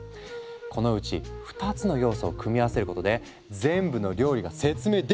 このうち２つの要素を組み合わせることで全部の料理が説明できちゃうってわけ。